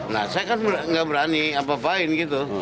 nah saya kan nggak berani apa apain gitu